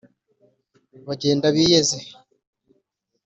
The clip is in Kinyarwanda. bagenda b'iyeze